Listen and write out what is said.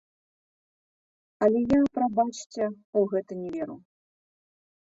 Але я, прабачце, у гэта не веру.